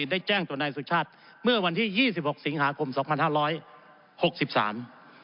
ได้แจ้งตัวนายสุชาติเมื่อวันที่๒๖สิงหาคม๒๕๖๓